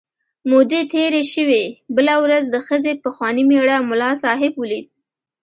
مودې تېرې شوې، بله ورځ د ښځې پخواني مېړه ملا صاحب ولید.